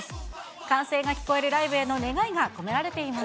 歓声が聞こえるライブへの願いが込められています。